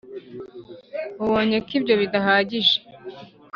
Ubonye ko ibyo bidahagije